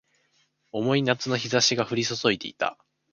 重い夏の日差しが降り注いでいた